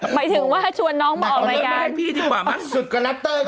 หมายถึงว่าชวนน้องมาออกรายงานสุดกระนับเตอร์ก็ได้ตึกเนี่ย